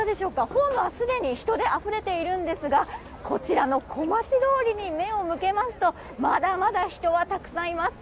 ホームはすでに人であふれているんですがこちらの小町通りに目を向けますと、まだまだ人はたくさんいます。